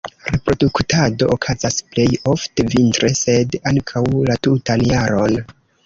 Reproduktado okazas plej ofte vintre, sed ankaŭ la tutan jaron.